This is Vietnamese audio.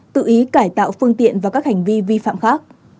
tự ý cải tạo phương tiện và các hành vi vi phạm khác